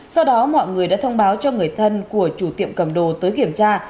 sau đó mọi người đã thông báo cho người thân của chủ tiệm cầm đồ tới kiểm tra